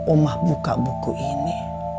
omah buka buku ini